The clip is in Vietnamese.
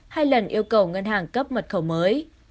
hai lần yêu cầu ngân hàng cấp mật khẩu mới